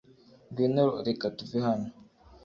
Ngwino Reka tuve hano